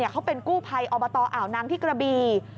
เขาเป็นกู้ภัยอบตอ่าวนางที่กระบี